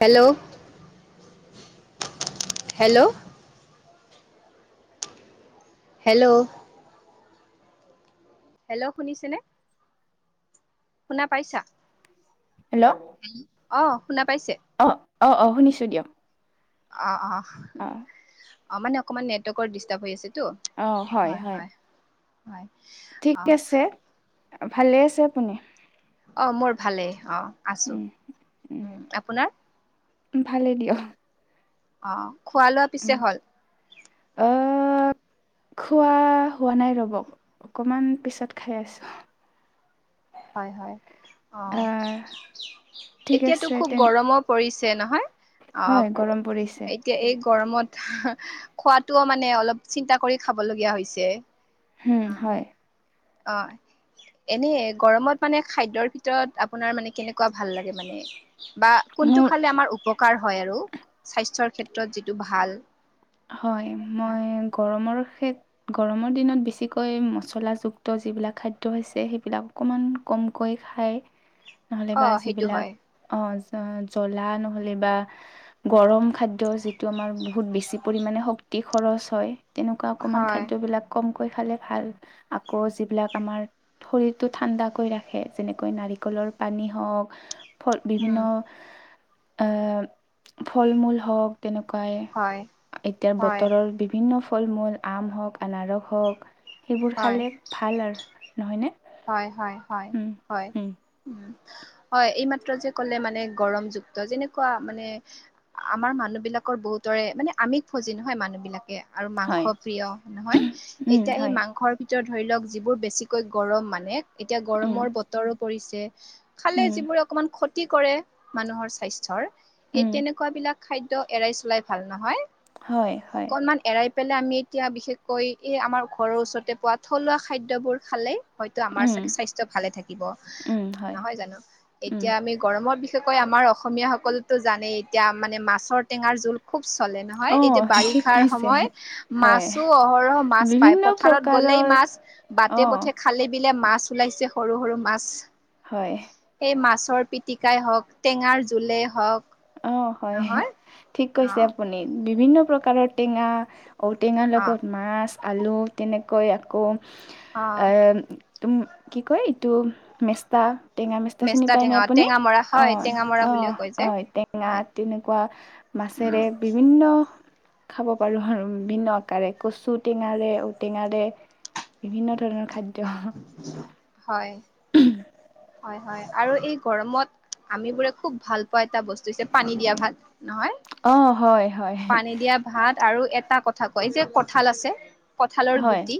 Hello hello hello hello শুনিছেনে? শুনা পাইছা? হেল্ল' অ শুনা পাইছে? অঁ অঁ অঁ শুনিছোঁ দিয়ক। অ অ। অ মানে অকমান নেটৱৰ্কৰ ডিষ্টাৰ্ব হৈ আছেতো। অঁ! হয় হয়-হয়। হয় হয় [unintelligible] ঠিক আছে। ভালে আছে আপুনি? অ! মোৰ ভালেই অঁ আছোঁ। উম উম! আপোনাৰ? ভালে দিয় [unintelligible] অঁ! খোৱা লোৱা পিছে হ'ল? অ [unintelligible] খোৱা হোৱা নাই ৰ'ব। অকমান পিছত খাই আছোঁ। হয়-হয়। অঁ! আহ ঠিক এতিয়াতো আছে খুব তেন গৰমো পৰিছে নহয়? হয় অঁ! গৰম পৰিছে [unintelligible] এতিয়া এই গৰমত [unintelligible] খোৱাটোও মানে অলপ চিন্তা কৰি খাব লগীয়া হৈছে। হুম, হয়। অ‍ঁ। এনেই গৰমত মানে খাদ্যৰ ভিতৰত আপোনাৰ মানে কেনেকুৱা ভাল লাগে মানে? বা কোনটো মোৰ খালে আমাৰ উপকাৰ হয় আৰু স্বাস্থ্যৰ ক্ষেত্ৰত যিটো ভাল? হয়। মই গৰমৰ ক্ষেত গৰমৰ দিনত বেছিকৈ মচলাযুক্ত যিবিলাক খাদ্য হৈছে সেইবিলাক অকমান কমকৈ খায় [unintelligible] নহ'লে বা সেইটো যিবিলাক হয়, অঁ জ্বলা নহ'লে বা গৰম খাদ্য যিটো আমাৰ বহুত বেছি পৰিমাণে শক শক্তি খৰচ হয়। তেনেকুৱা অকমান হয়, খাদ্যবিলাক কমকৈ খালে ভাল আকৌ যিবিলাক আমাৰ শৰীৰটো ঠাণ্ডা কৰি ৰাখে, যেনেকৈ নাৰিকলৰ পানী হওক ফল উম, বিভিন্ন আহ ফল-মূল হওক তেনেকুৱাই হয়। এতিয়া হয়, বতৰৰ বিভিন্ন ফল-মূল আম হওক, আনাৰস হওক সেইবোৰ খালে ভাল আৰু নহয় নে? হয়-হয়-হয়-হয়। হয়। এইমাত্ৰ যে ক'লে মানে গৰমযুক্ত যেনেকুৱা মানে আমাৰ মানুহ বিলাকৰ বহুতৰে মানে আমিষ ফজি নহয় মানুহ বিলাকে আৰু হয় হয় মাংস প্ৰিয় নহয়। উম, এতিয়া এই হয় মাংসৰ ভিতৰত ধৰি লওক যিবোৰ বেছিকৈ গৰম মানে। এতিয়া উম, গৰমৰ বতৰো পৰিছে। খালে উম, যিবোৰে অকমান ক্ষতি কৰে মানুহৰ স্বাস্থ্যৰ এই উম, তেনেকুৱা বিলাক খাদ্য এৰাই চলাই ভাল নহয়। হয় হয় অকমান এৰাই পেলাই আমি এতিয়া বিশেষকৈ এই আমাৰ ঘৰৰ ওচৰতে পোৱা থলুৱা খাদ্যবোৰ খালে হয়তো আমাৰ উম, চাগে স্বাস্থ্য ভালে থাকিব উম, হয় নহয় জানো। উম। এতিয়া আমি গৰমত বিশেষকৈ আমাৰ অসমীয়া সকলতো জানেই এতিয়া মানে মাছৰ টেঙাৰ জোল খুব চলে নহয়। অ', এতিয়া ঠিক বাৰিষাৰ কৈছে সময় হয় মাছো অহৰহ মাছ পায় বিভিন্ন পথাৰত গ'লেই প্ৰকাৰৰ মাছ। অ', বাটে-পথে খালে-বিলে মাছ ওলাইছে, সৰু-সৰু মাছ। হয়। এই মাছৰ পিটিকাই হওক, টেঙাৰ জোলেই হওক। অঁ হয়। নহয় ঠিক অ কৈছে আপুনি। বিভিন্ন প্ৰকাৰৰ টেঙা ঔটেঙাৰ অ লগত মাছ, আলু তেনেকৈ আকৌ অ আহ তুম কি কয় ইটো? মেচ তা। টেঙা মেষ্টা চিনি পাই নে টেঙা আপুনি? টেঙামৰা হয় অ', টেঙামৰা অ', বুলিও কয় যে অ'। টেঙ এয়া, হয় তেনেকুৱা উম মাছেৰে বিভিন্ন খাব পাৰোঁ আৰু বিন্ন আকাৰে কচু টেঙাৰে, ঔ-টেঙাৰে বিভিন্ন ধৰণৰ খাদ্য হয়। হয়, হয়। আৰু এই গৰমত আমিবোৰে খুব ভাল পোৱা এটা বস্তু হৈছে পানী দিয়া ভাত। নহয়? অ', হয়, হয়, পানী দিয়া ভাত আৰু এটা কথা কয় যে কঠাল আছে। কঁঠালৰ হয়, গুটি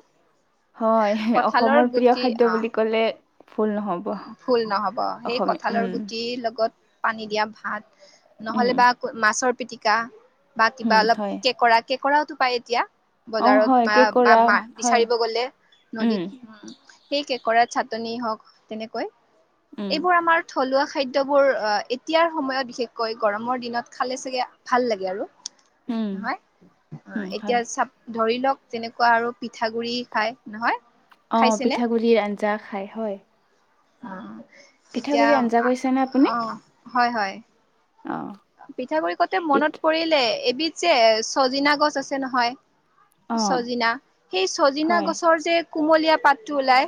হয়। কঁঠালৰ অসমৰ প্ৰিয় গুটি খাদ্য অ বুলি ক'লে ভুল নহ'ব। ভুল নহ'ব। সেই অসমীয়া কঁঠালৰ উম, গুটিৰ লগত পানী দিয়া ভাত। উম, নহ'লে বা মাছৰ পিতিকা বা উম, কিবা অলপ হয়। কেকৰা কেকৰাওটো পায় এতিয়া? অ', বজাৰত হয়, মাঅ' কেঁকোৰা বা হয়, বিচাৰিব গ'লে উম, নদীত সেই কেকৰাৰ চাটনি হওঁক তেনেকৈ। উম, এইবোৰ আমাৰ থলুৱা খাদ্যবোৰ, এতিয়াৰ সময়ত বিশেষকৈ গৰমৰ দিনত খালে চাগে ভাল লাগে আৰু, উম, নহয়? অ' উম, হয়। এতিয়া চাপ ধৰি লওঁক তেনেকুৱা আৰু পিঠাগুৰি খাই, নহয়? অ', খাইছেনে পিঠাগুৰিৰ আঞ্জা খায়, হয়। অ। এতিয়া পিঠাগুড়িৰ আঞ্জা কৈছেনে আপুনি? অ', হয়, হয়। অ'। পিঠাগুৰি কওঁতে পিঠ মনত পৰিলে। এবিধ যে চজিনা গছ আছে নহয়। অ', চজিনা, সেই চজিনা হয়, গছৰ যে কুমলীয়া পাতটো ওলাই।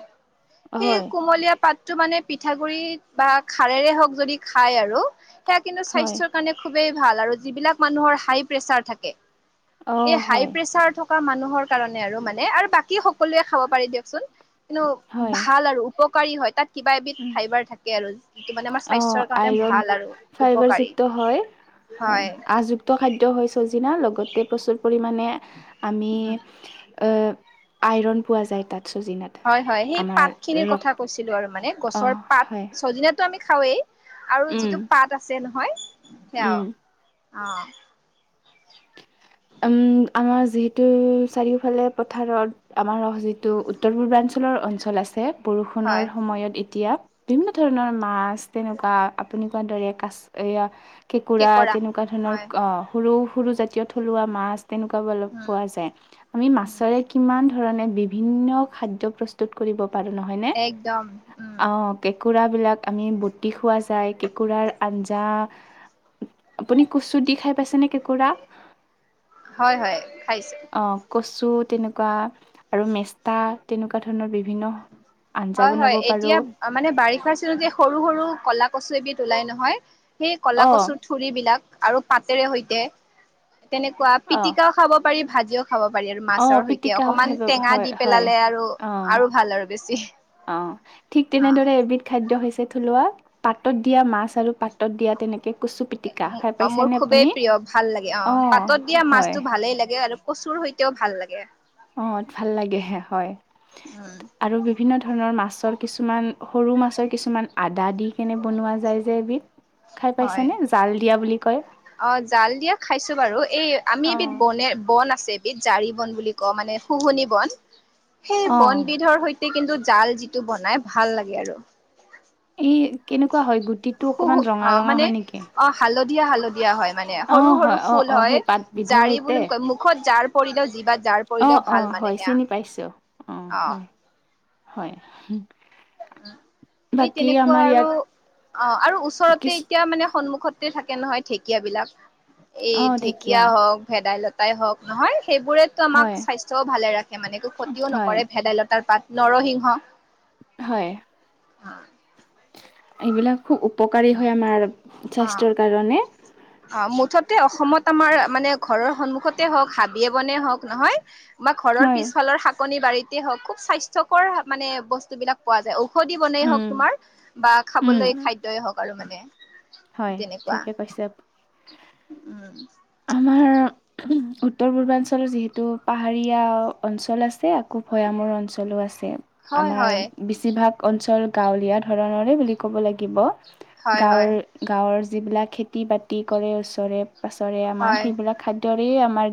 সেই হয়, কুমলীয়া পাত টো মানে পিঠাগুৰি বা খাৰেৰে হওঁক যদি খাই আৰু সেয়া কিন্তু হয়, স্বাস্থ্যৰ কাৰণে খুবেই ভাল। আৰু যিবিলাক মানুহৰ হাই-প্ৰেছাৰ থাকে, অ', এই হয়, হাই-প্ৰেছাৰ থক কা মানুহৰ কাৰণে আৰু মানে আৰু বাকী সকলোৱে খাব পাৰি দিয়কচোন। লো হয়, ভাল আৰু উপকাৰী হয়। তাত কিবা এবিধ উম, ফাইবাৰ থাকে আৰু। ইটো মানে আমাৰ অ', স্বাস্থ্যৰ কাৰণে আইৰণ ভাল আৰু উপকাৰী। ফাইবাৰযুক্ত হয়, হয়। আহযুক্ত খাদ্য হয় চজিনা, লগতে প্ৰচুৰ পৰিমাণে আমি উম আ আইৰণ পোৱা যায় তাত চজিনাত। হয়, হয়। সেই আমাৰ পাতখিনিৰ ৰ কথা কৈছিলো আৰু মানে অ গছৰ পাত, হয় ছজিনাটো আমি খাওঁৱেই। আৰু উম যিটো পাত আছে নহয় সেয়াও উম অ'। আম, আমাৰ যিহেতু চাৰিওফালে পথাৰৰ আমাৰ অহ যিটো উত্তৰ পূৰ্বাঞ্চলৰ অঞ্চল আছে, হয় বৰষুণৰ সময়ত এতিয়া বিন্ন ধৰণৰ মাছ, তেনেকুৱা আপুনি কোৱাৰ দৰে কাছ এয়া কেঁকোৰা, কেকৰা তেনেকুৱা ধৰণৰ হয় সৰু-সৰু জাতীয় থলুৱা মাছ। তেনেকুৱা বলপ উম পোৱা যায়। আমি উম মাছৰে কিমান ধৰণে বিভিন্ন খাদ্য প্ৰস্তুত কৰিব পাৰো, নহয় নে? একদম উম অ', কেঁকোৰাবিলাক আমি বটি খোৱা যায়। কেঁকোৰাৰ আঞ্জা আপুনি কুচুত দি খাই পাইছেনে কেঁকুৰা? হয়, হয়। খাইছ। অ, কচু তেনেকুৱা আৰু মেষ্টা তেনেকুৱা ধৰণৰ বিভিন্ন আঞ্জা হয়, বনাব হয়। এতিয়া পাৰোঁ আ মানে, বাৰিষাৰ চিলতে সৰু-সৰু কলা কচু এবিধ ওলাই নহয়, সেই কলা অ', কচু থুৰি বিলাক আৰু পাতেৰে সৈতে, তেনেকুৱা অ', পিটিকাও খাব পাৰি, ভাজিও খাব পাৰি আৰু অ', মাছৰ সৈতে পিটিকাও খাই অকমান পাব টেঙা হয়, দি হয়। পেলালে আৰু অ', আৰু ভাল আৰু বেছি। অ, ঠিক তেনেদৰে এবিধ খাদ্য হৈছে থলুৱা পাতত দিয়া মাছ আৰু পাতত দিয়া তেনেকে কচু পিটিকা এ খাই অ মোৰ পাইছেনে খুবেই আপুনি? প্ৰিয় ভাল লাগে অহ। অ', পাতত দিয়া হয়, মাছটো ভালেই লাগে আৰু কচুৰ সৈতেও ভাল লাগে। অ, ভাল লাগেহে হয়। উম আৰু বিভিন্ন ধৰণৰ মাছৰ কিছুমান সৰু মাছৰ কিছুমান আদা দি, এনে বনোৱা যায় যে এবিধ, খাই পাইছা হয় নে? জাল দিয়া বুলি কয়। অ, জাল দিয়া খাইছো বাৰু। এই আমি এবিধ অ', বন নে বন আছে এবিধ। জাৰি বন বুলি কওঁ মানে শুহনি বন। সেই অ'। বনবিধৰ সৈ তে কিন্তু জাল যিটো বনাই ভাল লাগে আৰু। এই কেনেকুৱা হয় গু অ, মানে অ, হালধীয়া হালধীয়া হয়। মানে সৰু অ', সৰু হয় অ', ফুল অ', হয়। সেই পাতবিধৰ জাৰি সৈতে বুলিম কয়। মুখত জাৰ পৰিলেও জিভাত জাৰ অহ পৰিলেও ভাল অহ, মানে হয়, সেয়া চিনি পাইছো অ হয় হয় সেই বাকী তেনেকুৱা আমাৰ আৰু ইয়াত অ আৰু ওচৰতে কিছ এতিয়া মানে সন্মুখত তে থাকে নহয়, ঢেকীয়া বিলাক। এই ঢেকীয়া হওঁক ভেদাইলত তাই হওঁক নহয়। সেইবোৰেতো হয়, আমাক স্বাস্থ্যও ভালে ৰাখে মানে একো ক্ষতিও হয়, নকৰে ভেদাইলতাৰ পাত। নৰসিংহ। হয়। আ। এইবিলাক খুব উপকাৰী হয় আমাৰ অ স্বাস্থ্যৰ কাৰণে। [inaudible] অ, মুঠতে অসমত আমাৰ মানে ঘৰৰ সন্মুখতে হওঁক হাবিয়ে বনে হওঁক নহয়, আমাৰ ঘৰৰ হয়। পিছফালৰ শাকনি বাৰীতে হওঁক, খুব স্বাস্থ্যকৰ মানে বস্তুবিলাক পোৱা যায়। ঔষধি বনেই হওঁক উম। তোমাৰ বা উম, খাবলৈ খা পালো মানে হয় তেনেকুৱা, ঠিকে কৈছে আপুনি। উম। [unintelligible] উত্তৰ পূৰ্বাঞ্চল যিহেতু পাহাৰীয়া অঞ্চল আছে। কু ভৈয়ামৰ অঞ্চলো আছে। হয় আমাৰ হয় বেছিভাগ অঞ্চল গাঁৱলীয়া ধৰণৰে বুলি ক'ব লাগিব। হয় হয় গাঁৱৰ গাঁৱৰ যিবিলাক খেতি বাতি কৰে ওচৰে পাঁছৰে আমাৰ। হয় সেইবিলাক খাদ্ দৰেই আমাৰ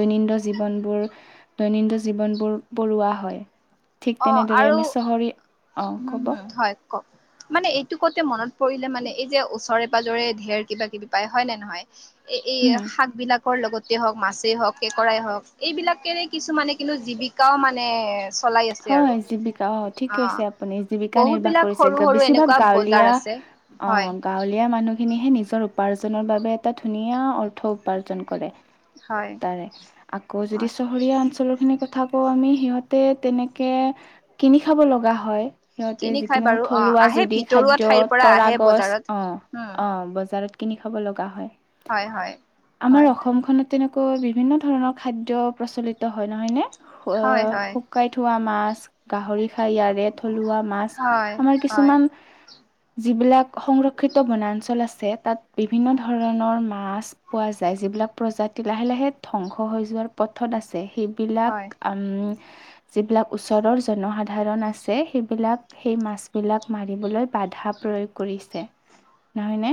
দৈনিন্দ জীৱনবোৰ দৈনিন্দ জীৱনবোৰ পৰুৱা হয়। ঠিক অ, তেনেদৰে আৰু আমি চহৰী অ' হম ক'ব হম হয় কওঁক। মানে এইটো কওঁতে মনত পৰিলে মানে এই যে ওচৰে পাজৰে ধেৰ কিবা কিবি পায়। হয় নে নহয়? এ এই হুম শাক বিলাকৰ লগত তে হওঁক মাছেই হওক, কেঁকৰাই হওঁক এইবিলাকেৰে কিছুমানে কিন্তু জীৱিকাও মানে চলাই আছ হয়, জীৱিকা অ ঠিক কৈছে আপুনি। জীৱিকা বহুত নিৰ্বাহ বিলাক কৰিছে সৰু গ সৰু বেছিভাগ এনেকুৱা বজাৰ গাঁৱলীয়া আছে অ। হয় গাঁৱলীয়া মানুহখিনিহে নিজৰ উপাৰ্জনৰ বাবে এটা ধুনীয়া অৰ্থ উপাৰ্জন কৰে। হয় তাৰে আকৌ যদি হয় চহৰীয়া অঞ্চলৰ খিনি কথা কওঁ আমি সিহঁতে তেনে কে কিনি খাব লগা হয়। সিহঁতে কিনি খাই যিকোনো বাৰু অ থলুৱা আহে যদি ভিতৰুৱা খাদ্য ঠাইৰ পৰা তৰা আহে গছ বজাৰত অ উম অ বজাৰত। কিনি খাব লগা হয়। হয় হয় আমাৰ হয় অসমখনত তেনেকৈ বিভিন্ন ধৰণৰ খাদ্য প্ৰচলিত হয়, নহয় নে? হয় অহ হয় শুকাই থোৱা মাছ গাহৰি খাই ইয়াৰে থলুৱা মাছ। হয় আমাৰ হয় কিছুমান যিবিলাক সংৰক্ষিত বনাঞ্চল আছে। তাত বিভিন্ন ধৰণৰ মাছ পোৱা যায়, যিবিলাক প্ৰজাতি লাহে লাহে ধ্বংস হৈ যোৱাৰ পথত আছে, সেই বিলাক, হয় উম, যিবিলাক ওচৰৰ জনসাধাৰণ আছে সেইবিলাক। সেই মাছবিলাক মাৰিবলৈ বাধা প্ৰয়োগ কৰিছে, নহয়নে?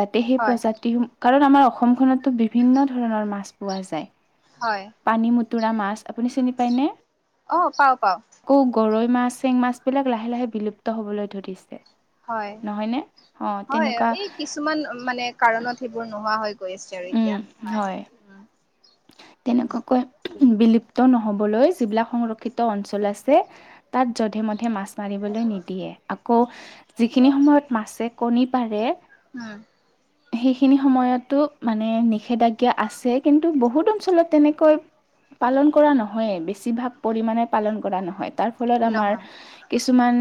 যাতে, সেই হয় প্ৰজাতিসমূহ, কাৰণ আমাৰ অসমখনতো বিভিন্ন ধৰণৰ মাছ পোৱা যায়। হয়। পানী মতুৰা মাছ, আপুনি চিনি পায়নে? অ, পাওঁ, পাওঁ। আকৌ গৰৈ মাছ চেং মাছ, বিলাক লাহে, লাহে, বিলুপ্ত হবলৈ ধৰিছে। হয় নহয় নে, অ, হয় তেনেকুৱা এই কিছুমান মানে কাৰণত সেইবোৰ নোহোৱা হৈ গৈ আছে, আৰু এতিয়া হয়। উম তেনেকুৱাকৈ বিলুপ্ত নহ'বলৈ, যিবিলাক সংৰক্ষিত অঞ্চল আছে, তাত যধে-মধে মাছ মাৰিবলৈ নিদিয়ে, আকৌ যিখিনি সময়ত মাছে কণী পাৰে। উম, সেইখিনি সময়তো মানে, নিষেধাজ্ঞা আছে কিন্তু কিন্তু বহুত অঞ্চলত তেনেকৈ পালন কৰা নহয়েই, বেছিভাগ। পৰিমাণে পালন কৰা নহয়, তাৰ ফলত আমাৰ নহয় কিছুমান,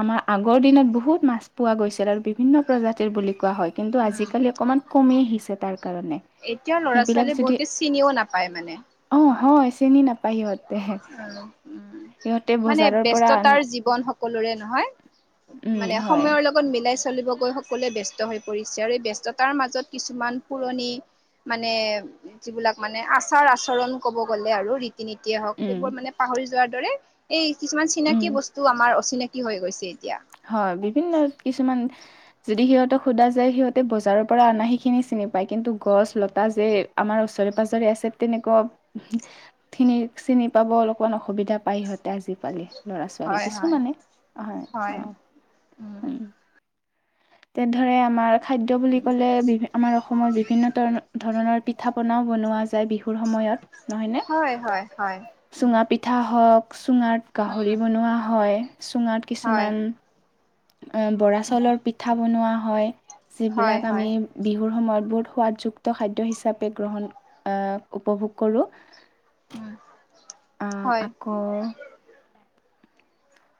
আমাৰ আগৰ দিনত বহুত মাছ পোৱা গৈছিল, আৰু বিভিন্ন প্ৰজাতিৰ বুলি কোৱা হয়। কিন্তু উম আজিকালি অকণমান কমি আহিছে, তাৰ কাৰণে। এতিয়াও সেইবিলাক ল'ৰা-ছোৱালীয়ে যদি বহুতে চিনিও নাপায় মানে। অ, হয় চিনি নাপায়। সিহঁতে উম, উম, সিহঁতে মানে বজাৰৰ পৰা আন ব্যস্ততাৰ জীৱ বন, সকলোৰে নহয়, উম মানে হয় সময়ৰ লগত লগত মিলাই চলিব গৈ সকলোৱে ব্যস্ত হৈ পৰিছে আৰু এই ব্যস্ততাৰ মাজত কিছুমান পুৰণি। মানে যিবিলাক মানে আচাৰ আচৰণ কব গ'লে আৰু ৰীতি- নীতিয়ে হ'ওক উম সেইবোৰ মানে। পাহৰি যোৱাৰ দৰে, এই কিছুমান উম চিনাকি বস্তু আমাৰ অচিনাকি হৈ গৈছে এতিয়া। হয়, বিভিন্ন কিছুমান যদি সিহঁতক সোধা যায়, সিহঁতে বজাৰৰ পৰা অনাহিখিনি চিনি পায়, কিন্তু গছ-লতা যে আমাৰ ওচৰে-পাজৰে আছে, তেনেকুৱা [inaudible] চিনি পাব, অলপমান অসুবিধা পায় সিহঁতে আজিকালি। ল'ৰা-ছোৱালী হয় হয় কিছুমানে হয়। অ হয়, উম, তেনে ধৰে আমাৰ খাদ্য বুলি ক'লে, বি আমাৰ অসমত বিভিন্নৰ ধৰণৰ পিঠা পনা, বনোৱা যায়, বিহুৰ সময়ত নহয়নে। হয় হয় হয় উম চুঙা পিঠা হ'ওক, চুঙাত উম গাহৰি বনোৱা হয়, চুঙাত হয় কিছুমান বৰা চাউলৰ পিঠা বনোৱা হয়, হয় যিবিলাক আমি হয় বিহুৰ সময়ত বহুত সোৱাদ যুক্ত খাদ্য হিচাপে গ্ৰহণ আহ, উপভোগ কৰোঁ। উম, আ, হয় আকৌ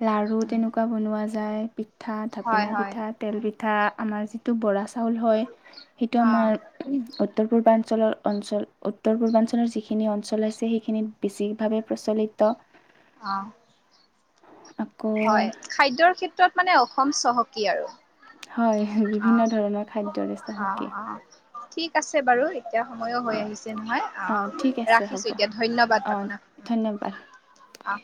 লাড়ু উম তেনেকুৱা বনোৱা যায়, পিঠা হয় ঢাপিনা হয় পিঠাত। তেল হয় পিঠা, আমাৰ যিটো বৰা চাউল হয়, সেইটো অ আমাৰ উত্তৰ পূৰ্বাঞ্চলৰ অঞ্চল, উত্তৰ পূৰ্বাঞ্চলৰ যিখিনি অঞ্চল আছে সেইখিনিত। বেছিভাৱে প্ৰচলিত। অ, [inaudible] হয় খাদ্যৰ ক্ষেত্ৰত মানে অসম চহকী আৰু। হয় অ বিভিন্ন ধৰণৰ খাদ্যৰে অ', চহকী। অ'। ঠিক আছে বাৰু এতিয়া সময়ো হৈ আহিছে নহয় অ আহ ঠিক আছে ৰাখিছো হ'ব এতিয়া ধন্যবাদ অ আপোনাক ধন্যবাদ। অ'।